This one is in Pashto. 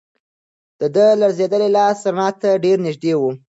د ده لړزېدلی لاس رڼا ته ډېر نږدې و.